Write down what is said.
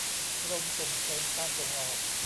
กรมส่งเสริมการส่งออก